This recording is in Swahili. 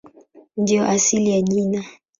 Ndiyo asili ya jina.